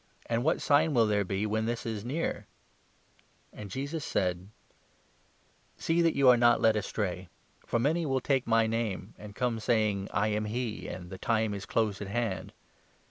and what sign will there be when this is near ?" And Jesus said : 8 " See that you are not led astray ; for many will take my name, and come saying ' I am He,' and ' The time is close at hand.'